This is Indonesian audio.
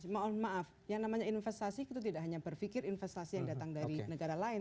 mohon maaf yang namanya investasi kita tidak hanya berpikir investasi yang datang dari negara lain